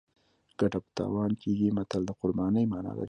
ګټه په تاوان کیږي متل د قربانۍ مانا لري